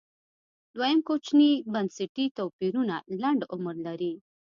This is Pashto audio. دویم کوچني بنسټي توپیرونه لنډ عمر لري